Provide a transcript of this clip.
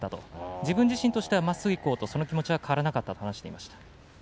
自分はまっすぐいこうという気持ちは変わらなかったと話していました。